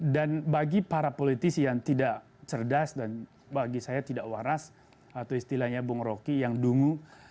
dan bagi para politisi yang tidak cerdas dan bagi saya tidak waras atau istilahnya bung roki yang dungu